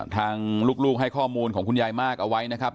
ทางลูกให้ข้อมูลของคุณยายมากเอาไว้นะครับ